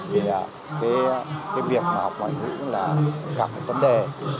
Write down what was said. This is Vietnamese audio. thì cái việc mà học ngoại ngữ là cả một vấn đề